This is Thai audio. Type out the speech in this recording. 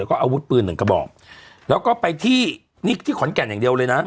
แล้วก็อาวุธปืนหนึ่งกระบอกแล้วก็ไปที่นี่ที่ขอนแก่นอย่างเดียวเลยนะ